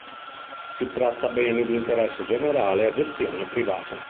Si tratta beni di interesse generale a gestione privata.